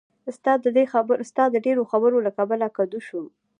ستا د ډېرو خبرو له کبله کدو شوم.